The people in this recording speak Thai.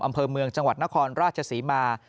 อำเภอเมืองจังหวัดนครราชศรีมา